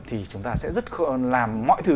thì chúng ta sẽ rất làm mọi thứ